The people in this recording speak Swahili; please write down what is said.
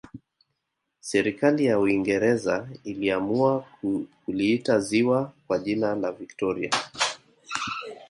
serikali ya uingereza iliamua kuliita ziwa kwa jina la victoria